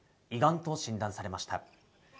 胃がんと診断されました。